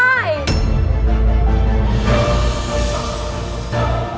ia kayak gitu coffee